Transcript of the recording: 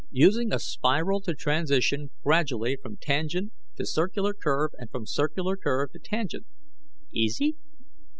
Using a spiral to transition gradually from tangent to circular curve and from circular curve to tangent. Easy?